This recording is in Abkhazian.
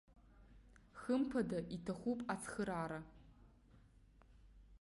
Хымԥада иҭахуп ацхыраара!